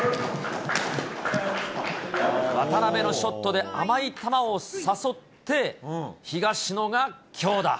渡辺のショットで甘い球を誘って、東野が強打。